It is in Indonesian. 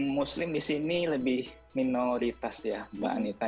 muslim di sini lebih minoritas ya mbak anita